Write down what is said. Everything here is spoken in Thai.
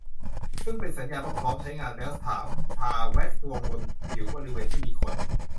ซึ่งเป็นสัญญาณว่าพร้อมใช้งานแล้ว สาม ทาแว็กซ์ลงบนผิวบริเวณที่มีขน